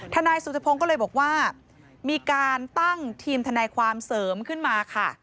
นายสุธพงศ์ก็เลยบอกว่ามีการตั้งทีมทนายความเสริมขึ้นมาค่ะ